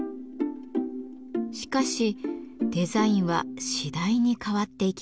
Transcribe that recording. しかしデザインは次第に変わっていきます。